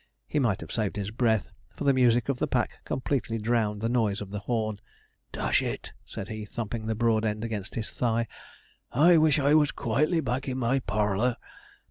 He might have saved his breath, for the music of the pack completely drowned the noise of the horn. 'Dash it!' said he, thumping the broad end against his thigh; 'I wish I was quietly back in my parlour.